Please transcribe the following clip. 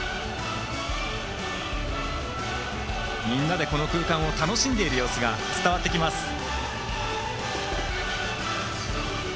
みんなでこの空間を楽しんでいる様子が伝わってきます。